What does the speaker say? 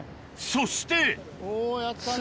そしておぉやったね。